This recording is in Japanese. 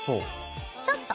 ちょっと。